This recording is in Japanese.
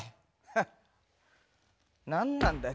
フッ何なんだよ